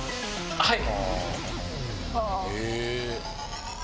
はい！